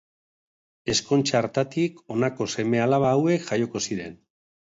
Ezkontza hartatik honako seme-alaba hauek jaioko ziren.